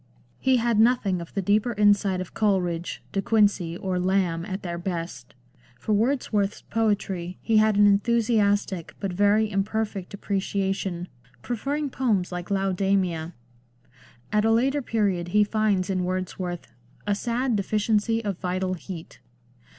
He had nothing of the deeper insight of Coleridge, De Quincey, or Lamb at their best. For Wordsworth's poetry he had an enthusiastic but very imperfect appreciation, preferring poems like Laodamia. At a later period he finds in Wordsworth " a sad deficiency of vital heat."